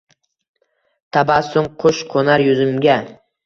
Tabassum – qush, qoʼnar yuzimga.